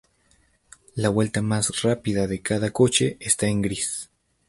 La vuelta más rápida de cada coche esta en gris.